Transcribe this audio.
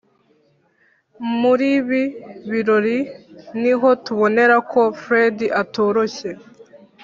muribi birori niho tubonera ko fred atoroshye